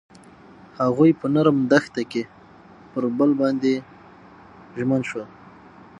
هغوی په نرم دښته کې پر بل باندې ژمن شول.